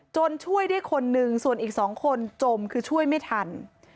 ช่วยได้คนนึงส่วนอีก๒คนจมคือช่วยไม่ทัน